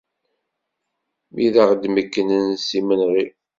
Mi d aɣ-mekknen s imenɣi.